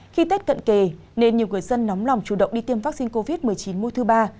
khi tết cận kề nên nhiều người dân nóng lòng chủ động đi tiêm vắc xin covid một mươi chín mùa thứ ba